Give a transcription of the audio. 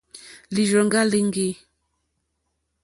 Lìrzòŋɡá líŋɡî.